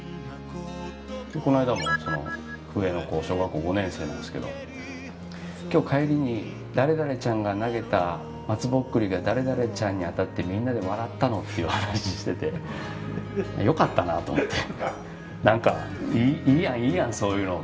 この間も、上の子小学校５年生なんですけど今日帰りに誰々ちゃんが投げた松ぼっくりが誰々ちゃんに当たってみんなで笑ったのっていう話をしてて良かったなと思って。